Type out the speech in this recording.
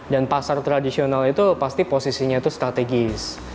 dan pasar tradisional itu pasti posisinya itu strategis